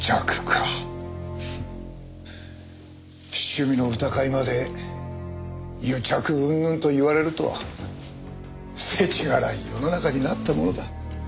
趣味の歌会まで癒着うんぬんと言われるとは世知辛い世の中になったものだ。